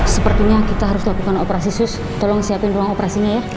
sepertinya kita harus lakukan operasi sus tolong siapin ruang operasinya ya